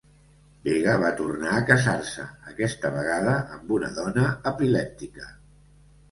Vega va tornar a casar-se, aquesta vegada amb una dona epilèptica.